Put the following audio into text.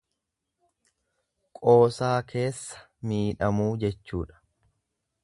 Qoosaa keessa miidhamuu jechuudha.